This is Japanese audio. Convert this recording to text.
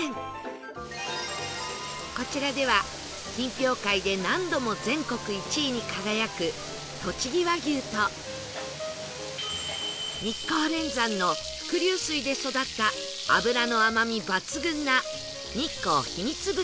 こちらでは品評会で何度も全国１位に輝くとちぎ和牛と日光連山の伏流水で育った脂の甘み抜群な日光 ＨＩＭＩＴＳＵ